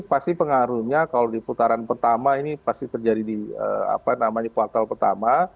pasti pengaruhnya kalau di putaran pertama ini pasti terjadi di kuartal pertama